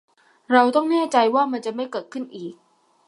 เราต้องแน่ใจว่ามันจะไม่เกิดขึ้นอีก